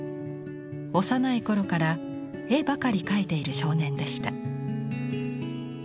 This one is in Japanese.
幼い頃から絵ばかり描いている少年でした。